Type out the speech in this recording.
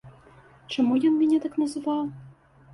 Чаму ён мяне так называў?